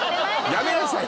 やめなさい